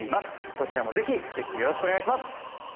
こちらもぜひチェックよろしくお願いいたします。